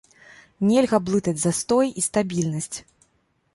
Нельга блытаць застой і стабільнасць.